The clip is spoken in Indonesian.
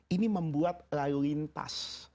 ini membuat lalu lintas